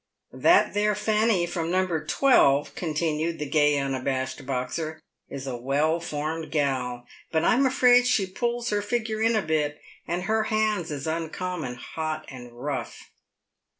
" That there Eanny, from ~No. 12," continued the gay unabashed Boxer, "is a well formed gal, but I'm afraid she pulls her figure in a bit, and her hands is uncommon hot and rough."